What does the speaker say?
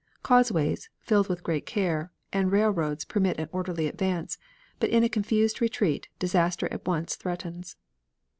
Causeways, filled with great care, and railroads permit an orderly advance, but in a confused retreat disaster at once threatens.